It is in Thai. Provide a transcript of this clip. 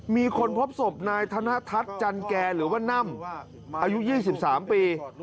มีคนพบศพนายธนทัศน์จันแก่หรือว่าน่ำอายุ๒๓ปี